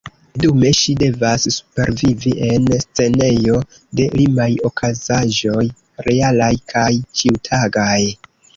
Dume ŝi devas supervivi en scenejo de limaj okazaĵoj, realaj kaj ĉiutagaj.